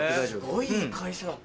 すごいいい会社。